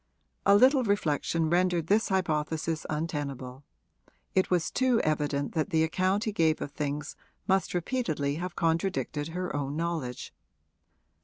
A little reflection rendered this hypothesis untenable; it was too evident that the account he gave of things must repeatedly have contradicted her own knowledge.